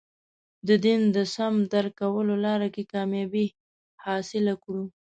د دین د سم درک کولو لاره کې کامیابي حاصله کړو.